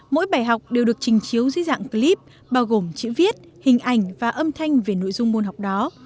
mỗi bài học đều được trình chiếu dưới dạng clip bao gồm chữ viết hình ảnh và âm thanh về nội dung môn học đó